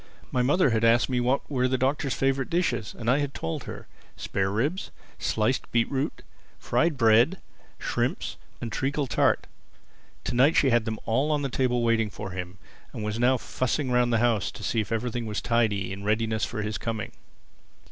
My mother had asked me what were the Doctor's favorite dishes, and I had told her: spare ribs, sliced beet root, fried bread, shrimps and treacle tart. To night she had them all on the table waiting for him; and she was now fussing round the house to see if everything was tidy and in readiness for his coming.